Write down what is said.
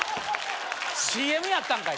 ＣＭやったんかい！